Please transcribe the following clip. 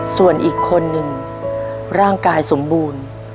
ส่วนอีกคนนึงร่างกายสมบูรณ์